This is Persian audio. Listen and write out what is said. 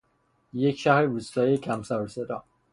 یک شهر روستایی کم سرو صدا